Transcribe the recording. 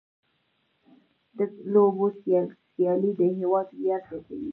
د لوبو سیالۍ د هېواد ویاړ زیاتوي.